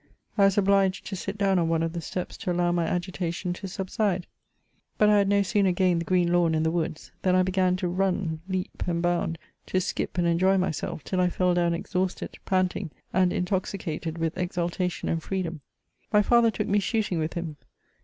I was obUged to sit down on one of the steps to allow my agitation to subside ; but I had no sooner gained the green lawn and the woods, than I began to run, leap, and bound, to skip and enjoy myself, till I fell down exhausted, panting, and intoxicated with exultation and freedom. My father tocdc me shooting with him.